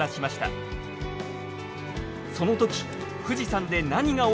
そのとき富士山で何が起きていたのか。